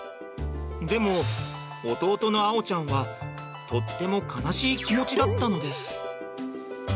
でも弟の碧ちゃんはとっても悲しい気持ちだったのです。